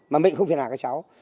mà mình cũng không phiền hà các cháu